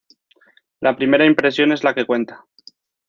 La primera impresión es la que cuenta